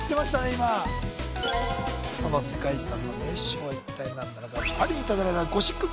今その世界遺産の名称は一体何なのか？